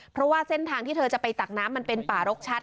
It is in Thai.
เพราะว่าเส้นทางที่เธอจะไปตักน้ำมันเป็นป่ารกชัด